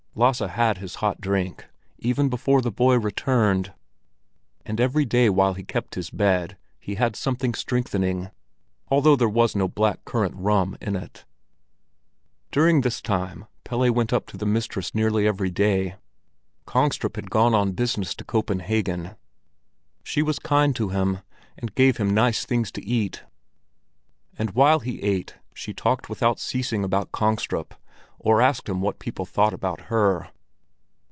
Lasse had his hot drink, even before the boy returned; and every day while he kept his bed he had something strengthening—although there was no black currant rum in it. During this time Pelle went up to the mistress nearly every day. Kongstrup had gone on business to Copenhagen. She was kind to him and gave him nice things to eat; and while he ate, she talked without ceasing about Kongstrup, or asked him what people thought about her.